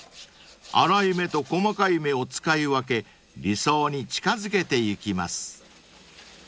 ［粗い目と細かい目を使い分け理想に近づけてゆきます］